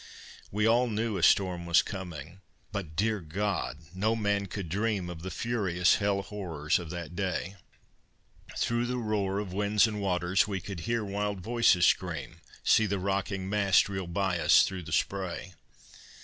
We all knew a storm was coming, but, dear God! no man could dream Of the furious hell horrors of that day: Through the roar of winds and waters we could hear wild voices scream See the rocking masts reel by us through the spray.